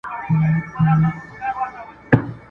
ول بازار ته څه وړې، ول طالع.